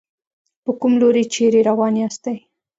په کوم لوري چېرې روان ياستئ.